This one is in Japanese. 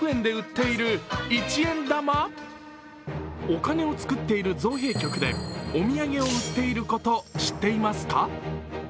お金を作っている造幣局でお土産を売っていること知ってますか？